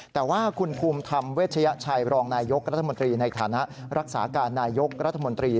แต่ว่าคุณภูมิธรรมเวชยชัยรองนายยกรัฐมนตรีในฐานะรักษาการนายยกรัฐมนตรี